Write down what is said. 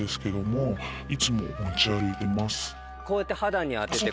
こうやって肌に当てて。